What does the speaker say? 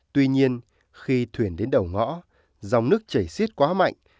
tuy nhiên khi thuyền đến đầu ngõ dòng nước chảy xiết quá mạnh